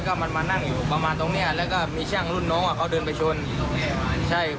เขาบอกว่าเออเขาขอโทษแล้วขอโทษแล้วใช่ไหมแต่ว่ามันอ่ะไม่พอใจ